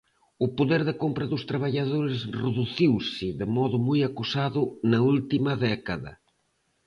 O poder de compra dos traballadores reduciuse de modo moi acusado na última década.